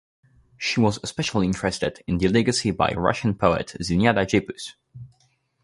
She was especially interested in the legacy by Russian poet Zinaida Gippius.